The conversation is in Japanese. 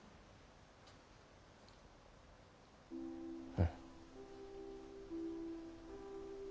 うん。